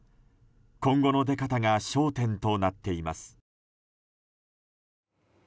今後の出方が焦点となっています。